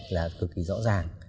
là cực kỳ rõ ràng